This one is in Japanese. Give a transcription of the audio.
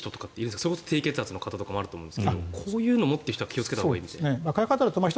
それこそ低血圧の方とかもいるんですがこういうのを持っている人は気をつけたほうがいいというのは。